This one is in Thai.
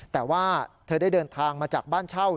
แต่ว่าเธอได้เดินทางมาจากบ้านเช่า